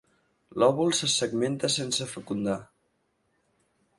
L'òvul se segmenta sense fecundar.